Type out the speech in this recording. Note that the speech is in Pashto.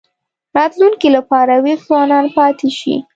د راتلونکي لپاره وېښ ځوانان پاتې شي.